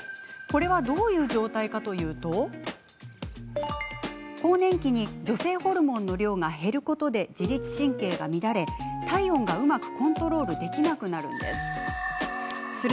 これはどういう状態かというと更年期に女性ホルモンの量が減ることで自律神経が乱れ、体温がうまくコントロールできなくなるんです。